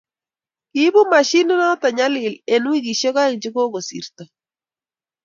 Kiibu mashinit noto nyalil eng wikishe oeng che ko kosirto.